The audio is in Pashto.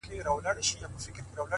• نن د هر گل زړگى په وينو رنـــــگ دى.